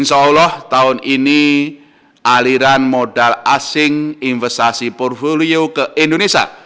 insya allah tahun ini aliran modal asing investasi portfolio ke indonesia